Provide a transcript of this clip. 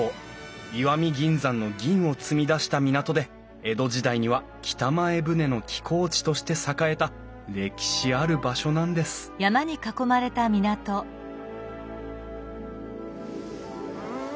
石見銀山の銀を積み出した港で江戸時代には北前船の寄港地として栄えた歴史ある場所なんですうん！